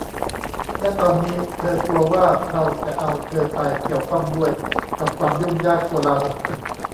และตอนนี้เธอกลัวว่าเราจะเอาเธอไปเกี่ยวข้องด้วยกับความยุ่งยากโกลาหล